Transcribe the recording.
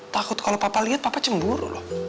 takut kalau papa lihat papa cemburu loh